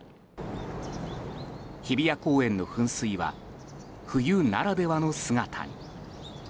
日比谷公園の噴水は冬ならではの姿に。